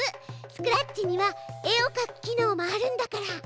スクラッチには絵を描く機能もあるんだから。